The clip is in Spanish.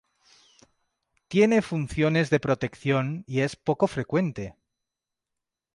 Tiene funciones de protección y es poco frecuente.